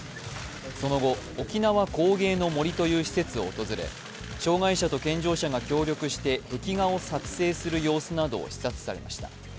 その後、おきなわ工芸の杜という施設を訪れ、障害者と健常者が協力して壁画を作成する様子などを視察されました。